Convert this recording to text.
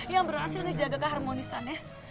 yang berhasil ngejaga keharmonisannya